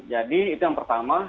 jadi itu yang pertama